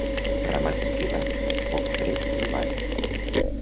Ramat esquilat, poc fred el bat.